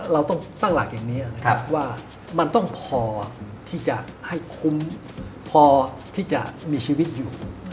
เราต้องตั้งหลักอย่างนี้นะครับว่ามันต้องพอที่จะให้คุ้มพอที่จะมีชีวิตอยู่